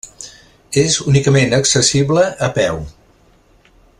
És únicament accessible a peu.